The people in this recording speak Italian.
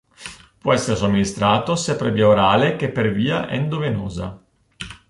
Può essere somministrato sia per via orale che per via endovenosa.